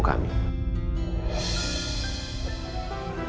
bagaimana menurut ibu nawang